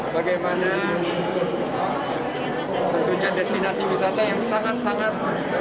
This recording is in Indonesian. bagaimana tentunya destinasi wisata yang sangat sangat